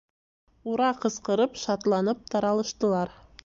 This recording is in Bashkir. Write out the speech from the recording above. «Ура» ҡысҡырып, шатланып таралыштылар...